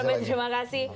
bang nobet terima kasih